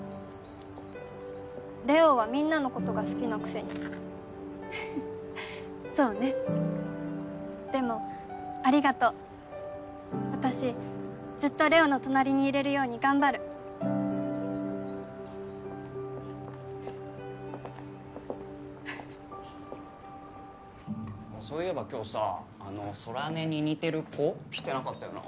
れおはみんなのことが好きなくせにフフッそうねでもありがとう私ずっとれおの隣にいれるように頑張るそういえば今日さあの空音に似てる子来てなかったよな